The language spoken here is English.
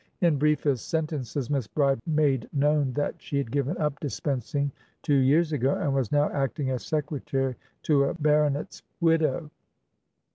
In briefest sentences Miss Bride made known that she had given up dispensing two years ago, and was now acting as secretary to a baronet's widow.